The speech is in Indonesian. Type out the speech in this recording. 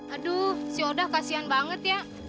aduh si oda kasihan banget ya